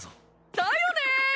だよね。